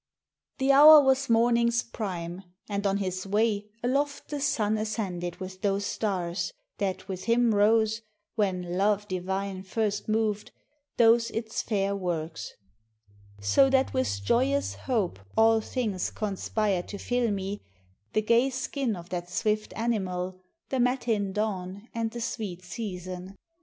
The hour was morning's prime, and on his way Aloft the sun ascended with those stars, That with him rose, when Love divine first mov'd Those its fair works: so that with joyous hope All things conspir'd to fill me, the gay skin Of that swift animal, the matin dawn And the sweet season.